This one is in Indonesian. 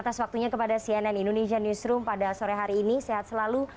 atas waktunya kepada cnn indonesia newsroom pada sore hari ini sehat selalu